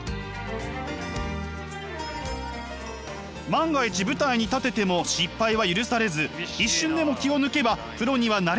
万が一舞台に立てても失敗は許されず一瞬でも気を抜けばプロにはなれない。